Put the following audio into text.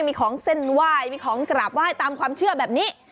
มีของเส้นไหว้มีของกราบไหว้ตามความเชื่อแบบนี้